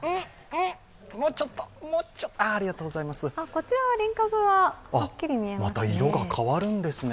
こちらは輪郭がはっきり見えますね。